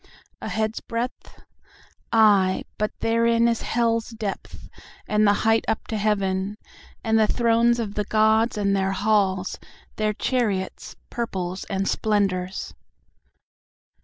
A head's breadth? Ay, but therein is hell's depth, and the height up to heaven, And the thrones of the gods and their halls, their chariots, purples, and splendors.